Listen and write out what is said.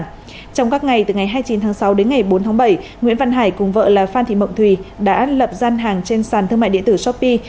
trong các ngày từ ngày hai mươi chín tháng sáu đến ngày bốn tháng bảy nguyễn văn hải cùng vợ là phan thị mộng thùy đã lập gian hàng trên sàn thương mại điện tử shopee